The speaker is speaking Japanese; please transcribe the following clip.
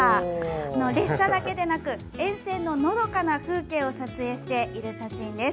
列車だけでなく沿線ののどかな風景を撮影している写真です。